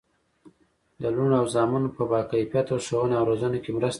د لوڼو او زامنو په باکیفیته ښوونه او روزنه کې مرسته وکړي.